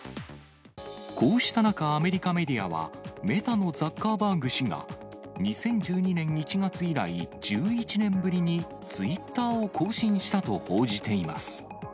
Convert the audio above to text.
こうした中、アメリカメディアは、メタのザッカーバーグ氏が、２０１２年１月以来、１１年ぶりにツイッターを更新したと報じています。